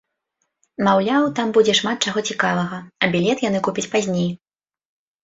Маўляў, там будзе шмат чаго цікавага, а білет яны купяць пазней.